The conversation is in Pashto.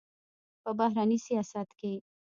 په بهرني سیاست کې